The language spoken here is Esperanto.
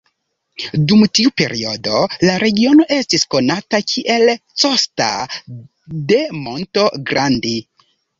Dum tiu periodo la regiono estis konata kiel Costa de Monto Grande.